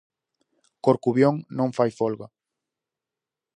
Corcubión non fai folga.